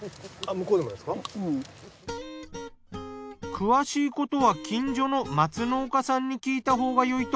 詳しいことは近所の松農家さんに聞いたほうがよいと。